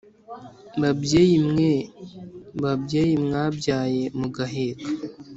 (babyeyi mweee) babyeyi mwabyaye mugaheka